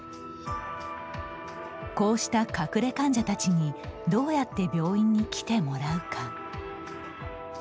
こうした隠れ患者たちにどうやって病院に来てもらうか？